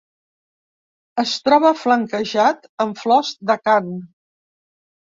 Es troba flanquejat amb flors d'acant.